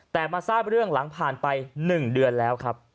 แต่มาทราบเรื่องหลังผ่านไป๑เดือนแล้วครับ